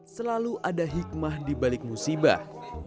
selalu ada hikmah dibalik musibah